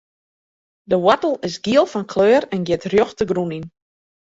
De woartel is giel fan kleur en giet rjocht de grûn yn.